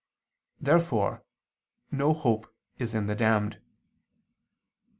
Therefore no hope is in the damned.